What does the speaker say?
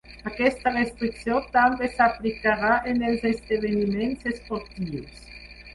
Aquesta restricció també s’aplicarà en els esdeveniments esportius.